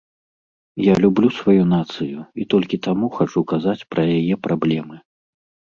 Я люблю сваю нацыю і толькі таму хачу казаць пра яе праблемы.